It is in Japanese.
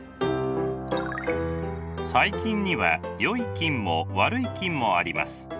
細菌にはよい菌も悪い菌もあります。